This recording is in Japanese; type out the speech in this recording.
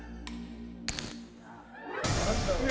何だろう？